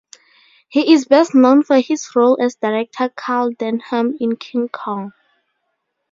He is best known for his role as director Carl Denham in "King Kong".